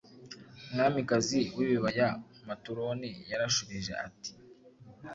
Umwamikazi wibibaya maturoni yarashubije ati